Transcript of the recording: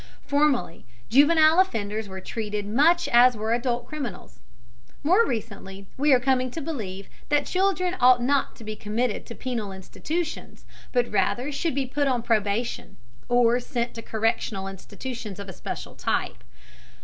Formerly, juvenile offenders were treated much as were adult criminals; more recently we are coming to believe that children ought not to be committed to penal institutions, but rather should be put on probation, or sent to correctional institutions of a special type.